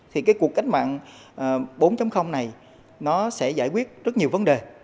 thì cái cuộc cách mạng bốn này nó sẽ giải quyết rất nhiều vấn đề